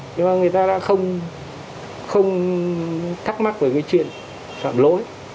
nhưng mà người ta đã không thắc mắc về cái chuyện phạm lỗi